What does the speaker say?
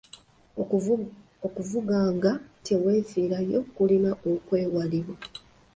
Okuvuga nga teweefiirayo kulina okwewalibwa.